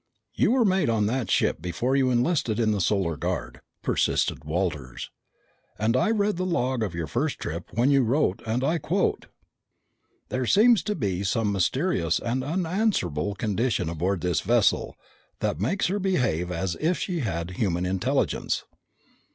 "You were mate on that ship before you enlisted in the Solar Guard," persisted Walters. "And I read the log of your first trip when you wrote, and I quote, 'There seems to be some mysterious and unanswerable condition aboard this vessel that makes her behave as if she had human intelligence....'"